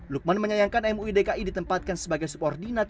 lukman menyayangkan muidki ditempatkan sebagai subordinat